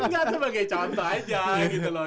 enggak sebagai contoh aja gitu loh